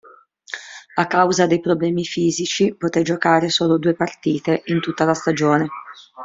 A causa dei problemi fisici poté giocare solo due partite in tutta la stagione.